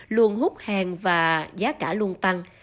luôn hút hàng và giá cả luôn tăng